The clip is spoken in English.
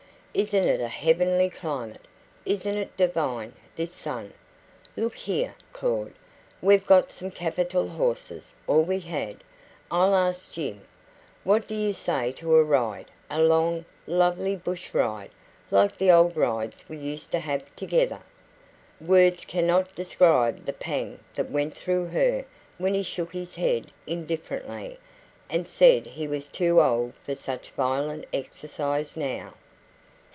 Isn't it a heavenly climate? Isn't it divine, this sun? Look here, Claud, we've got some capital horses or we had; I'll ask Jim. What do you say to a ride a long, lovely bush ride, like the old rides we used to have together?" Words cannot describe the pang that went through her when he shook his head indifferently, and said he was too old for such violent exercise now.